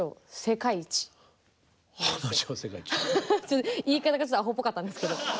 言い方がちょっとアホっぽかったんですけど。